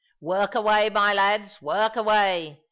"Work away, my lads, work away.